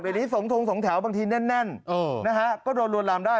ในนี้สงทรงสงแถวบางทีแน่นนะฮะก็โดนรวดลามได้